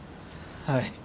はい。